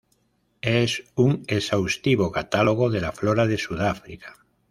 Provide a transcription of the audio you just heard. Es un exhaustivo catálogo de la flora de Sudáfrica.